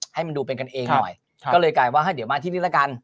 ให้มันดูเป็นกันเองหน่อยก็เลยกลายว่าเดี๋ยวมาที่นี่ละกัน